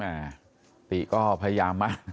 ติก็พยายามมาก